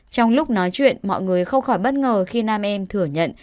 trong lúc nói chuyện mọi người không khỏi bất ngờ khi nam em thừa nhận